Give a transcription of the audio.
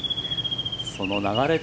その流れで